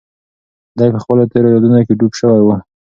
دی په خپلو تېرو یادونو کې ډوب شوی و.